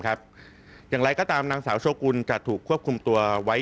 อย่างไรก็ตามนางสาวโชกุลจะถูกควบคุมตัวไว้